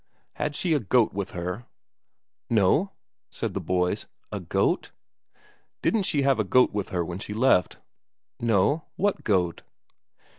"Had she a goat with her?" "No," said the boys. "A goat?" "Didn't she have a goat with her when she left?" "No. What goat?"